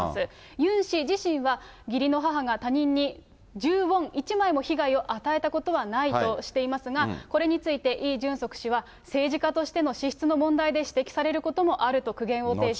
ユン氏自身は、義理の母が他人に１０ウォン１枚も被害を与えたことはないとしていますが、これについてイ・ジュンソク氏は、政治家としての資質の問題で、指摘されることもあると苦言を呈し